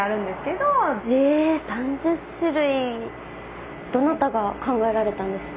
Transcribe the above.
どなたが考えられたんですか？